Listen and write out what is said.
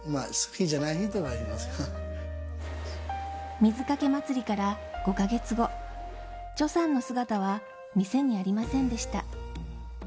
水かけ祭りから５か月後、チョさんの姿は店にはありませんでした。